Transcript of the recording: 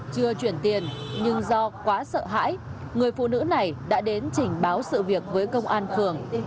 chưa chuyển tiền nhưng do quá sợ hãi người phụ nữ này đã đến trình báo sự việc với công an phường